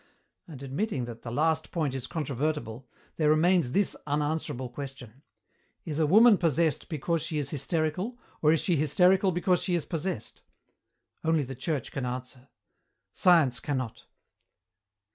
And admitting that the last point is controvertible, there remains this unanswerable question: is a woman possessed because she is hysterical, or is she hysterical because she is possessed? Only the Church can answer. Science cannot.